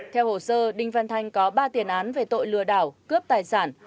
theo hồ sơ đinh văn thanh có ba tiền án về tội lừa đảo cướp tài sản